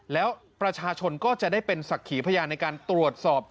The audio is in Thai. แล้วประชาชนก็จะได้เป็นศักดิ์ขีพยานในการตรวจสอบ